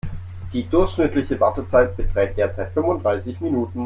Die durchschnittliche Wartezeit beträgt derzeit fünfunddreißig Minuten.